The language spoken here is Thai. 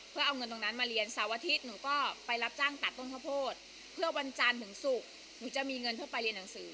เพื่อวันจานถึงศุกร์